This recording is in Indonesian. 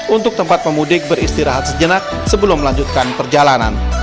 untuk tempat pemudik beristirahat sejenak sebelum melanjutkan perjalanan